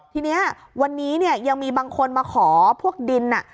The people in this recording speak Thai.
ทีนี้วันนี้เนี่ยยังมีบางคนมาขอพวกดิน